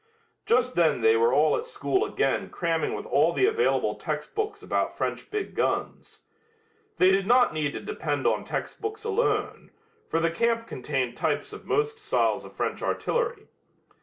Just then they were all at school again cramming with all the available textbooks about French big guns. They did not need to depend on textbooks alone, for the camp contained types of most styles of French artillery.